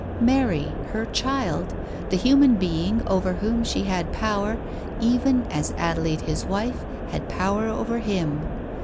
Mary, her child, the human being over, whom she had power, even' as Adelaide his wife, had power over him.